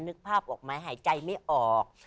นึกภาพออกไหมหายใจไม่ออก